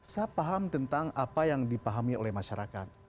saya paham tentang apa yang dipahami oleh masyarakat